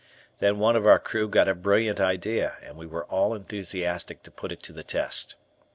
Then one of our crew got a brilliant idea and we were all enthusiastic to put it to the test.